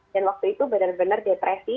dan waktu itu benar benar depresi